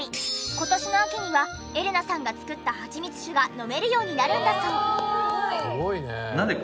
今年の秋にはエレナさんが造った蜂蜜酒が飲めるようになるんだそう。